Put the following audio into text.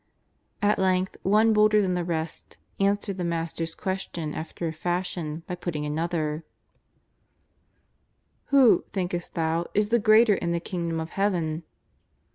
At length one bolder than the rest answered the Mas ter's question after a fashion by putting another: 267 2G8 JESUS OF NAZARETH. " Who, thinkest Tlioii, is the greater in the King dom of Heaven?